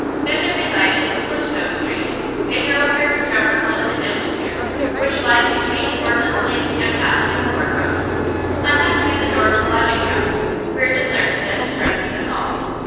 Biffen resided in Clipstone Street, a thoroughfare discoverable in the dim district which lies between Portland Place and Tottenham Court Road. On knocking at the door of the lodging house, Reardon learnt that his friend was at home.